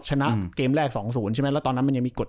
ชนะเกมแรก๒๐ใช่ไหมแล้วตอนนั้นมันยังมีกฎ